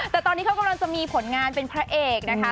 แต่ตอนนี้เขากำลังจะมีผลงานเป็นพระเอกนะคะ